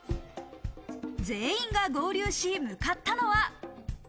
全員が合流し向かったのは。